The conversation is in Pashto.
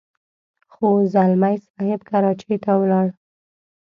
خو ځلمی صاحب کراچۍ ته ولاړ.